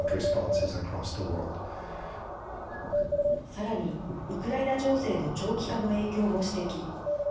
さらに、ウクライナ情勢の長期化の影響も指摘。